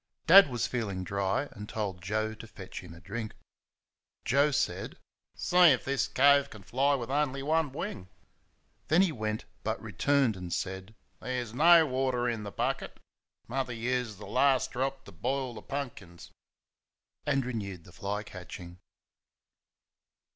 Dad was feeling dry, and told Joe to fetch him a drink. Joe said: "See first if this cove can fly with only one wing." Then he went, but returned and said: "There's no water in the bucket Mother used the last drop to boil th' punkins," and renewed the fly catching.